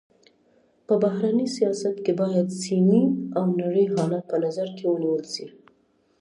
په بهرني سیاست کي باید سيمي او نړۍ حالت په نظر کي ونیول سي.